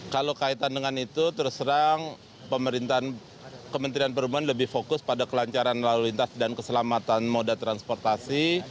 kalau kaitan dengan itu terus terang pemerintahan kementerian perhubungan lebih fokus pada kelancaran lalu lintas dan keselamatan moda transportasi